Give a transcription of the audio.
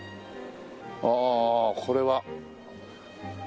ああこれは。